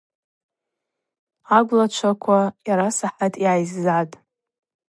Агвлачваква йарасахӏат йгӏайззатӏ.